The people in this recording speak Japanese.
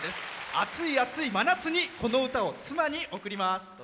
暑い暑い真夏にこの歌を妻に贈ります。